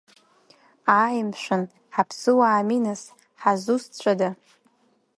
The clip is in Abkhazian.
Ааи, мшәан, ҳаԥсуаами, нас ҳазусҭцәада?